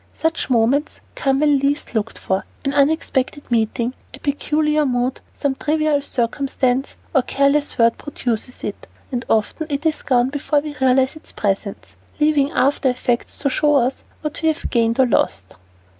Such moments come when least looked for: an unexpected meeting, a peculiar mood, some trivial circumstance, or careless word produces it, and often it is gone before we realize its presence, leaving aftereffects to show us what we have gained or lost.